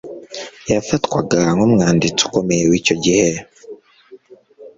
Yafatwaga nkumwanditsi ukomeye wicyo gihe